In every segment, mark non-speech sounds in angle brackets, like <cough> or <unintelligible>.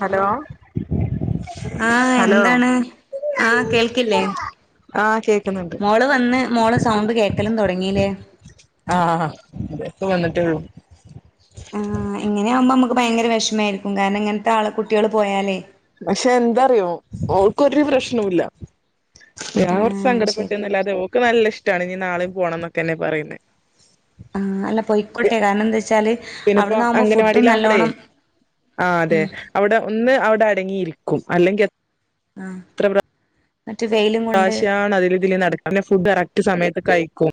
Hello ആഹ് hello എന്താണ് ആഹ് കേൾക്കില്ലേ ആഹ ചേ <inaudible> മോള് വന്ന് മോളെ സൗണ്ട് കേക്കലും തുടങ്ങീല്ലേ ആഹ് ഇപ്പ വന്നിട്ടേള്ളൂ ആ ഇങ്ങനെ ആവുമ്പോ അമ്മ ക്ക് ഭയങ്കര വിഷമായിരിക്കും കാരണം ഇങ്ങനത്തെ ആള് കുട്ടിയാലു പോയാലേ പക്ഷെ എന്താറിയോ ഓൾക്ക് ഒരു പ്രശ്നോ ഇല്ല ഞാൻ കുറച് ആഹ് ശരി സങ്കടപ്പെട്ടിന്നല്ല അത് ഓൾക്ക് നല്ല ഇഷ് ട്ടാണ് നാളേം പോണം എന്നൊക്കെന്നെ പറയുന്നേ ആ അല്ല പൊയിക്കോട്ടെ കാരണം എന്ത്‌ വെച്ചാല് പിന്നെപ്പോ അവിടന്നാവുമ്പോ ഫുഡും അംഗനവാടിയിലാകുമ്പോളേ നല്ലോണം ആ അതെ ഉം അവിടെ ഒന്ന് അവിടെ ഒന്ന് അടങ്ങി നിക്കും അല്ലെങ്കൽ എ ആ പ്രശ്യാണ് അതിൽ ഇതില് നടക്ക പിന്നെ ഫുഡ് കറക്റ്റ് സമയത്ത് കഴിക്കും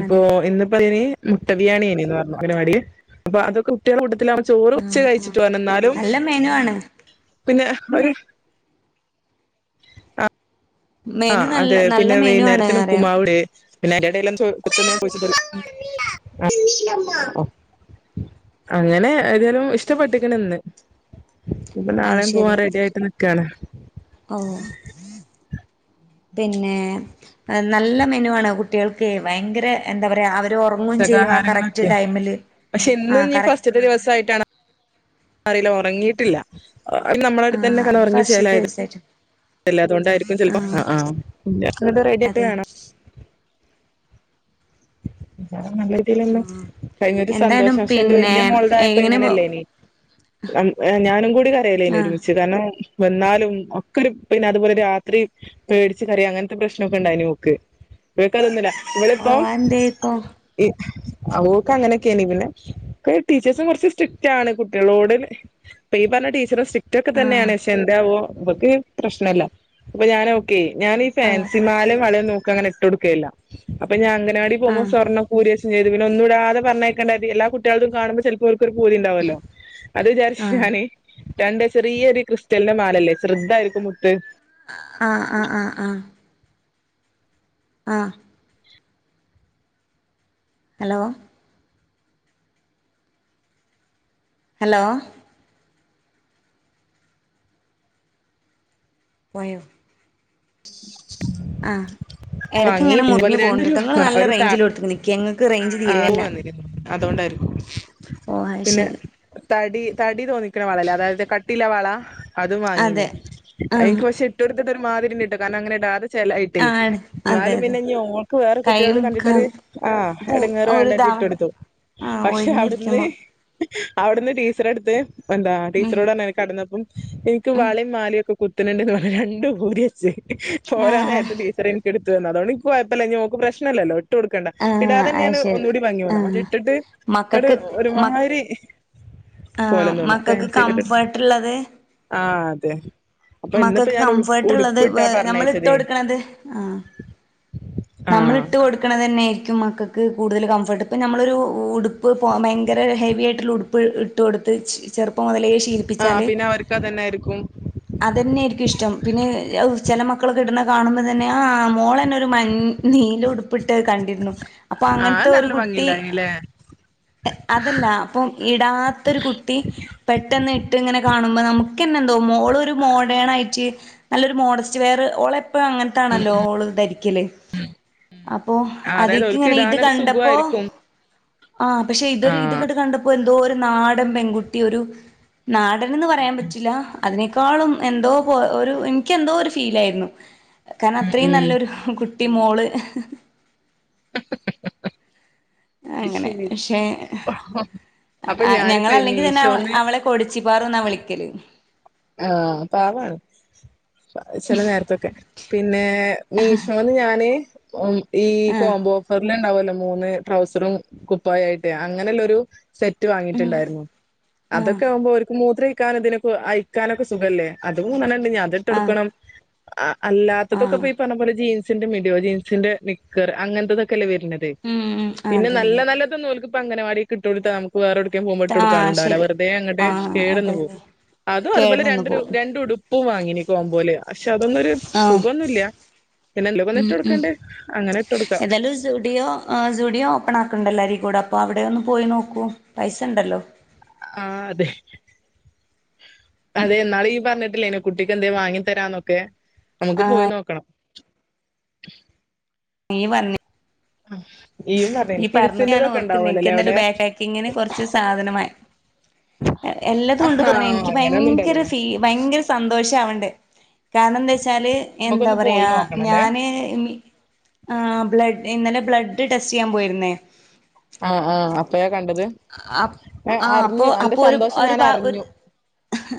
ഇപ്പൊ അതെ ഇന്നിപ്പതിന് മുട്ട ബിയാണിയേനീന്നു പറഞ്ഞു അഗനവാടിയിൽ അപ്പൊ അതൊക്കെ കുട്ട്യാള് കൊട് <unintelligible> ചോറ് ഉച്ച ആഹ് ആഹ് കഴിച്ചിട്ട് വന്നാലും നല്ല മെനു ആണ് പിന്നെ ഒരു അ ആ മെനു നല്ല അതെ നല്ല പിന്നെ മെനു ആണ് വൈകുന്നേരത്തിനു അറിയാം ഉപ്പ്മാവ്ണ്ട് <unintelligible> ആ അങ്ങനെ ഏതാലും ഇഷ്ടപ്പെട്ടുക്ക്ണ് ഇന്ന് ഇപ്പൊ നാളെയും പോവാൻ റെഡി ആയിട്ട് നിക്കാണ് ഓ പിന്നെ നല്ല മെനു ആണ് കുട്ടികൾക്കെ ഭയങ്കര എന്താ പറ പോഷകാഹാരങ്ങളൊക്കെ പക്ഷെ ആ ഇന്നും നീ കറക് ഫസ്റ്ററ്റ് ദിവസയിട്ടാണോ അറിയില്ല ഒറങ്ങിയിട്ടില്ല ആ ആ നമ്മളടുത്ത് തന്നെ <unintelligible> അത് ഒറങ്ങി ഫസ്റ്റ്ത്തെ <unintelligible> ദിവസായിട്ട് ആ അതെ <unintelligible> ആ <unintelligible> എന്തായാലും സന്തോഷം. പക്ഷെ എന്റെ പിന്നെ വെല്ല്യ മോളതായപ്പോ എങ്ങനെ പോ ഇങ്ങനെയല്ലേനി? ഞാനും കൂടി കരയലായിനു ആ ഒരുമിച്ച് കാരണം വന്നാലും ഒക്കെ ഒരു പിന്നെ അതുപോലെ രാത്രി പേടിച്ച് കരയും. അങ്ങനത്തെ പ്രശ്നൊക്കെ ഉണ്ടായിനു ഓക്ക്. ഇവക്കതൊന്നും ഇല്ല. ഇവളിപ്പം എന്തേ ഇപ്പൊ അ ഒക്കെ അങ്ങനൊക്കെയാ <unintelligible> പിന്നെ ടീച്ചേഴ്സും കുറച്ച് സ്ട്രിക്റ്റ് ആണ് കുട്ടികളോട് ഇപ്പ ഈ പറഞ്ഞ ടീച്ചറും സ്ട്രിക് ഇതൊക്ക ആ തന്നെയാണ് ശെന്താവോ? ഇവക്ക് പ്രശ്നം ഇല്ല. അപ്പൊ ഞാൻ ഓക്കെയായി. ഞാൻ ഈ ഓ ഫാൻസിമാലേം വളേം നോ അവക്ക് അങ്ങനെ ഇട്ട് കൊടുക്കയില്ല അപ്പൊ ഞാൻ <unintelligible> ആ പോവുമ്പോ സ്വർണ്ണൊക്കെ ഊരിവെച്ച് ഏതു പിന്നൊന്നുടാതെ പറഞ്ഞേക്കണ്ട കരുതി എല്ലാ കുട്ടികളെതും കാണുമ്പോൾ ചിലപ്പോ ഒരു പൂതിണ്ടാവല്ലോ അത് വിചാരിച്ച് ആ ഞാന് രണ്ട് ചെറിയൊരു ക്രിസ്റ്റലിൻ്റെ മാലല്ലേ? ചെറുതായിരിക്കും മുത്ത്. ആ ആ ആ ആ ആ ഹലോ ഹലോ പോയോ അ എടക്ക് വാങ്ങി ഇങ്ങനെ അതുപോലെ മുറിഞ്ഞു രണ്ട് പോണുണ്ട്ട്ടോ ങ്ങള് നല്ല ഒരു താ റേഞ്ചി ഉള്ളടത്തേക്ക് നിക്ക്. കെങ്ങ് ഇക്ക് റേഞ്ച് തീരേല്ല. അതോണ്ടായിരിക്കും. പിന്നെ ശരി തടി തടി തോന്നിക്ക് ക്ണ വളേല്ലേ അതായത് കട്ട് ട്ടീളള വള അതും അതെ വാങ്ങിന്. ആഹ് അയെനിക്കു പക്ഷെ ഇട്ടൊര് അത്ട്ടിട്ട് ഒരു മാതിരി. <unintelligible> കാരണം അങ്ങനെടാതെ ചെലയിട്ടേ ആണ് അതെ എന്നാലും അതെ പിന്നെ ഓൾക്ക് വേറെ കുട്ടികൾക്ക് കൈയും ക കണ്ടിട്ടൊരു അ പൂ എടങ്ങറ് വേണ്ടാന്ന് കരുതി ഒരുതാവ ഇട്ടുകൊടുത്തു. ആഹ് പക്ഷെ അവിടുന്ന് ഒഴിഞ്ഞിരിക്കുമ്പോ അവിടുന്ന് ടീച്ചർ എടുത്ത് എന്താ ഉം ടീച്ചറോട് പറഞ്ഞു <unintelligible> കടന്നപ്പം എനിക്ക് ഉം വളയും മാലയൊക്കെ കുട് പിന്നെ എന്റേന്ന് വള രണ്ടും ഊരി വെച്ച് ആഹ് പോരാനേരത്ത് ടീച്ചർ എനിക്കെടുത് <unintelligible> അതുകൊണ്ട് എനിക്ക് കൊഴപ്പല്ല ഇനി ഓൾക് പ്രശ്നല്ലല്ലോ. ഇട്ട് കൊടുക്കണ്ട ഇടാ ആഹ് അത് അതന്നെയാണ് ശരി ഒന്നൂടി ഭംഗി <unintelligible> പക്ഷേ ആഹ് ഇട്ടിട്ട് ഒരു മക്കൾക്ക് മ ഒരുമായിരി ആഹ് കോലം തോന്നും, മക്കൾക്ക് ഫാൻസിയൊക്കെ ഇട്ടിട് കംഫർട്ട് ആ തെ മക്കക്ക് കംഫർട്ട് ള്ളത് വ് നമ്മള് ഇട്ട് പറഞ്ഞയച്ചതേ കൊടുക്കണത് ആ നമ്മള് ആഹ് ഇട്ട് കൊടുക്കണ തന്നൊയിരി ക്കും മക്കക്ക് കൂടുതല് കംഫർട്ട് പ്പ ഞമ്മളൊരു ഉടുപ്പ് പൊ ഭയങ്കര ഹെവി ആയിട്ടുള്ള ഉടുപ്പ് ഇട്ട് കൊടുത്ത് ച് ആ പിന്നെ അവര്ക്ക് അതന്നെ ആയിരിക്കും. അതന്നെയിരിക്കും ഇഷ്ടം, പിന്നെ ചെല മക്കളൊക്കെ ഇടുന്ന കാണുമ്പം തന്നെ ആ മോള ന്നെ ഒരു മൻ നീല ഉടുപ്പിട്ട് കണ്ടിരുന്നു, അപ്പ ആഹ് അത് അങ്ങനത്തെ ഒരു നല്ല കുട്ടി ഭംഗിണ്ടായിനില്ലേ അതല്ല അപ്പ ഇടാത്തൊരു കുട്ടി പെട്ടെന്ന് ഇട് ത്ങ്ങനെ കാണുമ്പ നമുക്ക്ന്നെന്തോ മോള് നല്ലൊരു മോഡസ്റ്റ് വെയർ ഓളെ ഇപ്പ അങ്ങനത്താണല്ലോ ഓള് ധരിക്കല്, അപ്പോ ആഹ് അതായത് ഓൽക്ക് അതിക്കിങ്ങനെ ഇത് ഇടാനൊരു കണ്ടപ്പോ സുഖായിരിക്കും ആഹ് പക്ഷേ ഇതൊരു ഇത് ആഹ് ഇങ്ങട് കണ്ടപ്പോ എന്തോരു നാടൻ പെൺകുട്ടി ഒരു നാടൻ എന്ന് പറയാൻ പറ്റില്ല. അതിനെ ക്കാളും എന്തോ പോ ഒരു എനിക്ക് എന്തോ ഒരു ഫീലായിരുന്നു. കാരണം ഉം അത്രയും ഉം നല്ലൊരു കുട് ട്ടി മോള്. ഹും ഹു ഹു ഹ. അങ്ങനെ ക്ഷേ അപ്പൊ അ ഞാനിപ്പ ഞങ്ങളല്ലെങ്കി തന്നെ അവ മീഷോന്ന് അവളെ കൊടിച്ചിപാറുന്നാ വിളിക്കല്. ആഹ് പാവാണ് പ ചെല നേരത്തൊക്കെ, പിന്നെ മീഷോന്ന് ഞാന് മ് ഈ ആഹ് കോംബോ ഓഫർ എല്ല ഉണ്ടാവല്ലോ മൂന്ന് ട്രൗസറും കുപ്പായായിട്ട് അങ്ങനെല്ലൊരു സെറ്റ് ഉം വാങ്ങിയിട്ടുണ്ടായിരുന്നു, ആഹ് അതൊക്കെ ആവുമ്പോ അവര്ക്ക് മൂത്രഴി ക്കനതിനോക്കെ ആയി. ക്കാനൊക്ക സുഖല്ലേ? അതും <unintelligible> <unintelligible> ഇതിട്ട് ആഹ് കൊടുക്കണം. ആഹ്. അല്ലാത്തതൊക്കെ ആഹ് പ്പ ഈ പറഞ്ഞപോലെ ജീ സിന്റെ മിഡിയോ ജീൻസിന്റെ നിക്കർ അങ്ങനത്തെതൊക്കെല്ല വര തെ ഉം ഉം പിന്നെ അതെ നല്ല അതെ നല്ലതൊന്നഓല്ക്ക് പ്പ അംഗനവാടികിട്ടോടുത്ത നമുക്ക് വേറെവിടെ ക്കും പോക്പോ ട്ട് ആഹ് കൊടുക്കാനുണ്ടാല്ല ശരി വെറതെ അങ്ങട്‌ ആഹ് സ്റ്റേട ന്ന് അതെ പോകും. അതെ അത അതുപോലെ കേട് വന്നു രണ്ടുടു രണ്ടുടു പൂ വാങ്ങിന കോമ്പോലെ ആ ആ പിന്നെ എന്തേലൊക്കൊന്ന് ഉം ഇട്ട് ഉം കൊടുക്കണ്ടേ അങ്ങനെ ഇട്ട് കൊടുക്കാ ഏതായാലും സൂഡിയോ ആ സൂഡിയോ ഓപ്പൺ ആക്കണ്ടല്ലോ അരി കൂടെ അപ്പൊ അവിടെ ഒന്ന് പോയി നോക്കൂ പൈസ ഉണ്ടല്ലോ ആ അതെ അതെ നാള പറഞ്ഞി <inaudible> കുട്ടിക്ക് എന്തു വാങ്ങി തരാന്നൊക്കെ നമുക്ക് പോയി ആഹ് നോക്കണം നീ വന്നി ഇയ്യും പറഞ്ഞിനി ഈ പറഞ്ഞ ഞാൻ കിഡ്സിന്റെതൊക്കെ ഓർക്കണ്ട് എനിക്ക ഉണ്ടാവല്ലോല്ലേ എന്തായാലും അവിടെ ബാക്ക്ക്കിങ്ങിന് കൊറച്ച് സാധനമായി എല്ലാതും ആ കൊണ്ട് തോന്ന എനിക്ക് അങ്ങനെയൊന്നും ഭയങ്കര ഉണ്ടാവില്ലല്ലോ ഫീ ഭയങ്കര സന്തോഷം ആവണ്ടേ കാരണം എന്താ വെച്ചാൽ എന്താ നമുക്കൊന്ന് പറയ പോയി നോക്കണല്ലേ ഞാൻ ബ്ലോ ഇന്നലെ ബ്ലഡ് ടെസ്റ്റ് ചെയ്യാൻ പോയിരുന്നേ ആഹ ആഹ അപ്പൊ ആ അപ്പൊ അന്റെ അപ്പൊ ഒരു സന്തോഷം ഞാൻ അറിഞ്ഞു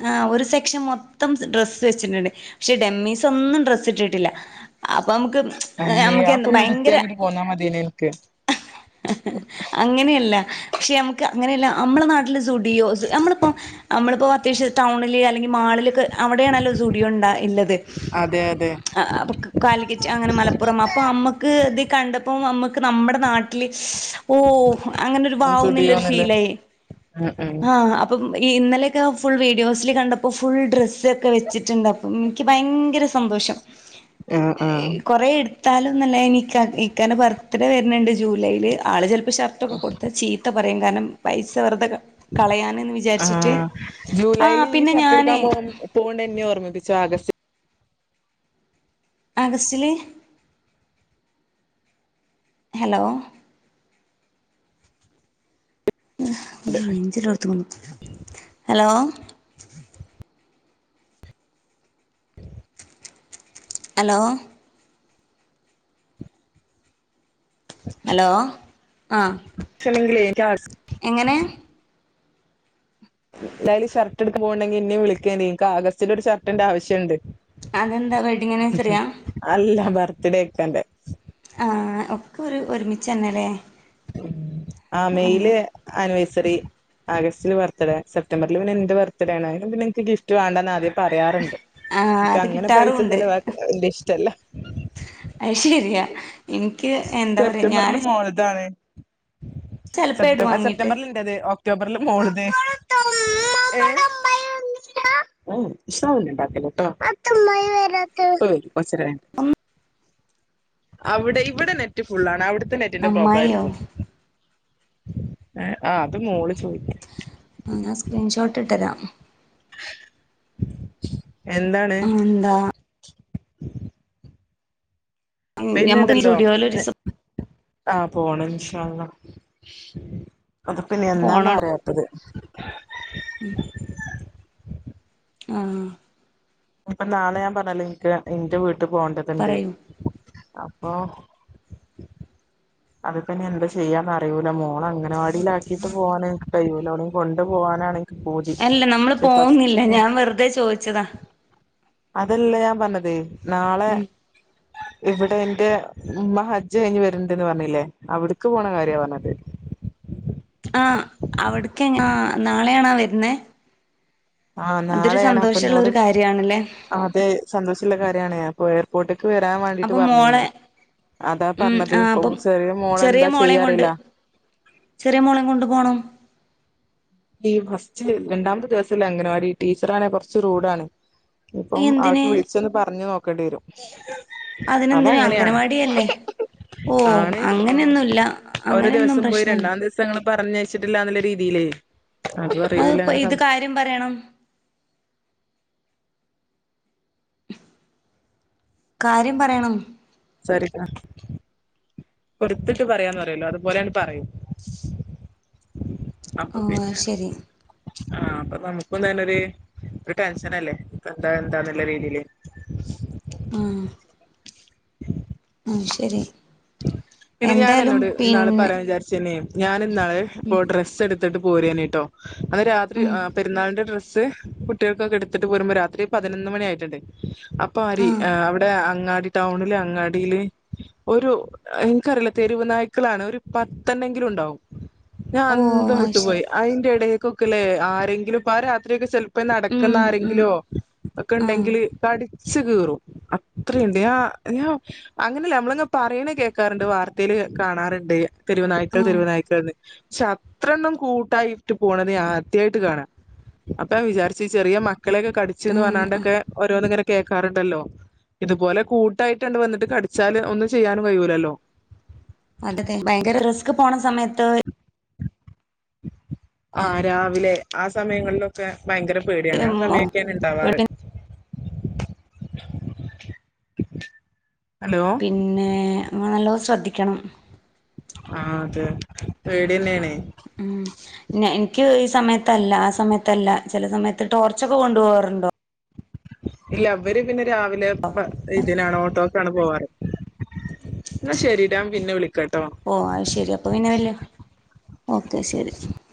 ആ ഒരു സെക്ഷൻ മൊ മൊത്തം ഡ്രസ്സ് വെച്ചിട്ടുണ്ട് പക്ഷെ ഡെമ്മീസ് ഒന്നും ഡ്രസ് ഇട്ടിട്ടില്ല ആ അപ്പ നമുക്ക് അയ്യേ നമുക്ക് അതൊക്കെ എന്താ ഒന്ന് ഭയങ്കര വൃത്തിയാക്കിട്ട് പോന്നാ മതിയേനി അനക്ക് അങ്ങനെയല്ല പക്ഷെ നമുക്ക് അങ്ങനെയല്ല നമ്മുടെ നാട്ടില് സുഡിയോ നമ്മളിപ്പോ നമ്മളിപ്പോ അത്യാവശ്യം ടൗണില് അല്ലെങ്കിൽ മാളില അവിടെയാണല്ല സ്റ്റുഡിയോ ഉള്ളത് അതെ അതെ കാലിക്കറ്റ് അങ്ങനെ മലപ്പുറം അപ്പ നമ്മുക്ക് ഇത് കണ്ടപ്പോ നമ്മുക്ക് നമ്മുടെ നാ ഓ അങ്ങനെ ഒരു ഭാവന്നില്ല ഒരു സുഡിയോന്നില്ലേ ഫീലായി ഉം ഉം ആഹ അപ്പം ഈ ഇന്നലെയൊക്കെ ഫുൾ വീഡിയോസിൽ കണ്ടപ്പോൾ ഫുൾ ഡ്രസ്സ് ഇതൊക്കെ വെച്ചിട്ടുണ്ട് അപ്പ എനിക്ക് ഭയങ്കര സന്തോഷം ആഹ് ആഹ് കൊറ എടു ഇത്താലുംന്നല്ലനി ഇക്കൻ്റെ ബർത്ത്ഡേ വരുന്നുണ്ട് ജൂലൈൽ ആള് ചെല ഷർട്ട ഒക്കെകോടുത്ത ചീത്തപറ പറയും കാരണം പൈസ വെർതെ ക ആ ജൂലൈൽ ആഹ് ഈ പിന്നെ ഷർട്ട് ഞാനേ എടുക്കാൻ പോ പോണ്ട എന്നെ ഓർമ്മിപ്പിചോ ആഗസ്റ്റ ആഗസ്റ്റലെ ഹലോ റേഞ്ചുള്ള ഹലോ <unintelligible> ഹലോ ഹലോ ആഹ് പക്ഷെണെങ്കിലേ എനിക്ക് എങ്ങനെ എന്തായാലും ഷർട്ട് എടുക്കാൻ പോണ്ടെങ്കി എന്നെ വിളിക്ക് എനിക്ക് ആഗസ്റ്റില് ഒരു ഷർട്ടിന്റെ ആവശ്യണ്ട് അതെന്താ വെഡ്ഡിങ്ങ്ആൻവേഴ്‌സറിയാ ബർത്ഡേയ് ഇക്കാന്റെ ആഹ് ഒക്കെ ഒരു ഒരുമിച്ചന്നെല്ലേ ആ മെയില് ആനിവേഴ് ഴ്സറി ആഗസ്റ്റില് ബർത്ത്ഡേ സെപ്റ്റംബറിൽ പിന്നെ എന്റെ ബർത്ത്ഡേ ആണ് അതിന് പിന്നെ എനിക്ക് ഗിഫ്റ്റ് വേണ്ട എന്ന് ആദ്യ പറയാറുണ്ട് ആഹ എനിക്ക് അത് അങ്ങനെ പൈസ കിട്ടാറുമുണ്ട് ചെലവാക്ക്ണത് വല്യ ഇഷ്ടല്ല അയ്ശരിയാ സെപ്റ്റംബറില് മോളതാണ് ചെലപ്പോ ഇടും സെപ്റ്റബ വാങ്ങീട്ട് സെപ്റ്റംബറിൽ എന്റെത് ഓ ഒക്ടോബറിൽ മോളത് <unintelligible> കൊറച്ചേരായി അവിടെയ് ഇവിടെ നെറ്റ് ഫുൾ ആണ് അവിടെ ത്തെ നെറ്റിന്റെ പ്രോബ്ലം അമ്മായിയോ ആയിരിക്കും ആ അത് മോളിൽ ആ ഞാൻ സ്ക്രീൻഷോട്ട് ഇട്ടരാ <inaudible> എന്താണ് എന്താ ഞമ്മുക്ക് സുഡിയോയിൽ ഒരീസം ആഹ പോണം ഇൻഷാ അള്ളാ അത്പ്പിനി എന്നാന്ന് പോണടോ അറിയാത്തത് ആഹ് ഇനിപ്പോ നാളെ ഞാൻ പറഞ്ഞല്ലോ ഇനിക്ക് ഒരു ഇന്റെ വീട്ട ഇട്ട് പോണ്ടതുണ്ട് പറയൂ അപ്പൊ അത്പ്പനി എന്തചെയ്യാന്ന് അറിയൂ ൻമോളെ അങ്കനവാടിൽ ആക്കീട്ട് പ്വാണ് കൈയ്യൂല്ല ഒ <unintelligible> ടിം കൊണ്ട് പോവാനാണെ അല്ല നമ്മള് പോഹുന്നില്ല ഞാൻ വെറുതെ ചോയ്ച്ചതാ അതല്ല ഞാൻ പറഞ്ഞതെ നാളെ ഉം ഇവിടെ എന്റെ ഉമ്മ ഹജ്ജ് കഴിഞ് വരുണ്ട്ന്ന് പറഞ്ഞ് ണിലെ അവിട്ക്ക് പോണ കാര്യ പറണത് ആ അവിടക്ക് <unintelligible> ആ നാളെയാണാ വരുന്നേ ആഹ് അതൊരു നാളെയാണ് അപ്പൊ സന്തോഷള്ള എന്നോട് ഒരു കാര്യാണല്ലേ അതെ സന്തോഷുള്ള കാര്യാണെ ഞാൻ പോയർപോർട്ട് അപ്പം മോളെ അതാ ഉം പറഞ്ഞത് ആ ഇപ്പൊ അപ്പം ചെറിയ മോളെ ചെറിയ എന്താ ചെയ്യാ മോളെയും കൊണ്ട് അറിയില്ല ചെറിയ മോളെയും കൊണ്ട് പോണം ഈ ഫസ്റ്റില് രണ്ടാമത്തെ ദിവസല്ലെ അങ്ങനവാടി ടീച്ചറാനെ കുറച്ച് റൂഡാണ് ഇപ്പം ആൾക്ക് എന്തിന് വിളിച്ചൂന്ന്പറഞ്നോ ക്കണ്ട്യരും അതിനെന്തിന അംഗനവാടിയല്ലേ ഓ ആണ് അങ്ങനെയൊന്നുഇല്ല അങ്ങനെയൊന്നും പ്രശ്നല്ല പറഞ്ഞയച്ട്ടില്ലാ എന്ന രീതീല് അഹ്പ്പം ഇത് കാര്യം പറയണം <unintelligible> കാര്യം പറയണം. സൊറിട്ടോ കു <unintelligible> ടുത്തിട്ട് പറയാന്ന് <unintelligible> പറിയല്ലൊ അതുപോലെ <unintelligible> പറിം ഓ അയ്യ് ശരി ആഹ് അപ്പൊ നമുക്കും തന്നെരു ഒര് ടെൻഷനല്ലേ എത ന്ത എന്താന്നല്ല രീതിയില് ആ ആ ശരി പിന്നെ ഞാൻ എന്തായാലും അന്നോട് ഇന്നാള് പിന്നെ പറ്യാൻ വിചാർച്ചിനി ഞാൻ ഇന്നാള് പോഡ്രസ്സ് എടുത്ത് ത്തട്ട് പോരേനീട്ടോ അന്ന് രാത്രി ഉം ആ പെരുന്നാളിന്റെ ഡ്രസ്സ് സ് കുട്ടികൾക്കൊക്കെ എടുത്തിട്ട് പോരുമ്പോ രാത്രി പതിനൊന്ന് മണി ആയിട്ടുണ്ട് അപ്പൊ അരി ആ അവിടെ അങ്ങാ ടൗണില് അങ്ങാടിയില് ഒരു <inaudible> എനിക്കറില തെരുവ് നായ്ക്കളാണ് ഒരു പത്തെണ്ണെങ്കിലും ഉണ്ടാവും ഞാൻ ഓ അന്തം അത് ശരി വിട്ടുപോയി അയിന്റെ എട <unintelligible> ക്ല് ആരെങ്കിലുപ്പ ആ രാത്രിക്കെ ചെ ഇപ്പൊ നടക്കുന്ന ഉം ഉം ആരെങ്കിലോ ഒക്കെ ആ ഉണ്ടെങ്കിൽ കടി ച്ച് കീറും അത്രയിണ്ട് യാ. അയ്യോ അങ്ങനെയല്ല നമ്മളങ്ങ് പറയണേ കേൾക്കാറ്ണ്ട് വാർത്തയില് കാണാറ്ണ്ട് തെരുവ് നായ്ക്കൾ, ആ തെരുവ് നായ്ക്കൾന്ന്. <unintelligible> അത്ര എണ്ണം കൂട്ടായിട്ട് പോണത് ഞാ ആദ്യായിട്ട് കാണാ, അപ്പൊ ഞാൻ വിചാരിച്ചു ചെറിയ മ മക്കളൊക്കെ ആ കടിചുന്നു ആ പറഞ്ഞണ്ടൊക്കെ ഓരോന്ന് ഇങ്ങനെ കേക്കാറുണ്ടല്ലോ ഇതുപോലെ കൂ ട്ടായിട്ട്ണ്ടണ്ട് വന്നിട്ട് കടിച്ചാല് ഒന്നും ചെയ്യാനും കഴിയുല്ലല്ലോ. അതൊക്കെ ഭയങ്കര റിസ്ക് പോ സമയത്ത്. ആഹ് രാവിലെ ആ സമയങ്ങളിലൊക്കെ ഭയങ്കര പേടിയാണ് ആ സമയൊക്കേണ് ഇണ്ടാവാറ് <inaudible> പിന്നെ ങ്ങൾ നല്ലോം ശ്രദ്ധിക്ക ലക്ഷണം അ അതെ അതെ പേടിയെന്നേണേ ഉം ന്നെ എനിക്ക് ഈ സമയത്തല്ല ആ സമയത്തല്ല ചില സമയത്ത് ടോർച്ചൊക്കെ കൊണ്ടുപോകാറുണ്ടോ ഇല്ല അവര് പിന്നെ രാവിലെ <unintelligible> എതിനാണ് ഓട്ടോക്കാണ് പോവാറ് എന്നാ ശരിട്ടാ നാൻ പിന്നെ വിളിക്ക ഓ അത് ശെരി അപ്പൊ പിന്നെ വല്ലോ ഓക്കെ ശരി